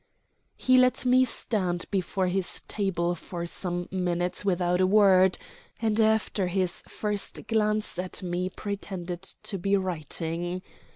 He let me stand before his table for some minutes without a word, and after his first glance at me pretended to be writing.